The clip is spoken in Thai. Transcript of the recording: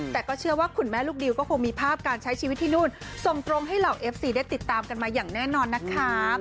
แต่ก็เชื่อว่าคุณแม่ลูกดิวก็คงมีภาพการใช้ชีวิตที่นู่นส่งตรงให้เหล่าเอฟซีได้ติดตามกันมาอย่างแน่นอนนะคะ